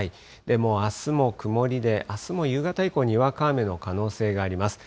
もうあすも曇りで、あすも夕方以降、にわか雨の可能性があります。